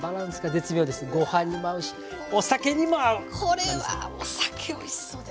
これはお酒おいしそうですね。